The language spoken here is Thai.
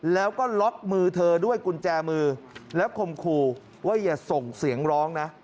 แล้วก็ล็อกมือเธอด้วยกุญแจมือแล้วคมคู่ว่าอย่าส่งเสียงร้องนะ